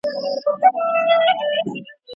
څه شی د مراقبې په وخت کي ذهن پاکوي؟